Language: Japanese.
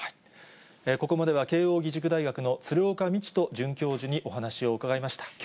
ここまでは慶応義塾大学の鶴岡路人准教授にお話を伺いました。